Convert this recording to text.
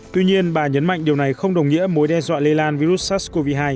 tuy nhiên bà nhấn mạnh điều này không đồng nghĩa mối đe dọa lây lan virus sars cov hai